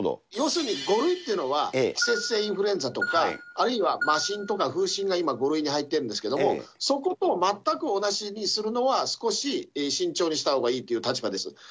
要するに５類というのは季節性インフルエンザとか、あるいは麻疹とか風疹が今５類に入ってるんですけれども、そこと全く同じにするのは少し慎重にしたほうがいいという立場です。